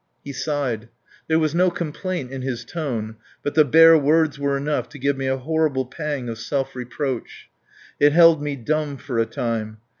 He sighed. There was no reproach in his tone, but the bare words were enough to give me a horrible pang of self reproach. It held me dumb for a time.